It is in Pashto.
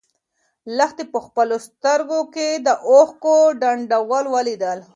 لښتې په خپلو سترګو کې د اوښکو ډنډول ولیدل.